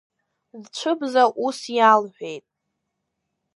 Лцәыбза ус иалҳәеит…